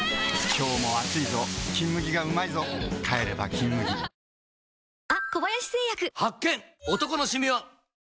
今日も暑いぞ「金麦」がうまいぞ帰れば「金麦」ワン・ツー・スリー！